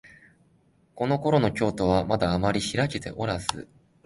このころの京都は、まだあまりひらけておらず、